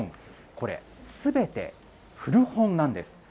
これ、すべて古本なんです。